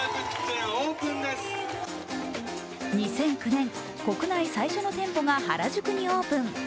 ２００９年、国内最初の店舗が原宿にオープン。